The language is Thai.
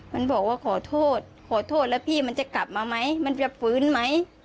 มันบอกว่าขอโทษขอโทษแล้วพี่มันจะกลับมาไหมมันจะฟื้นไหม